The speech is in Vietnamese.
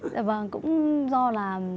dạ vâng cũng do là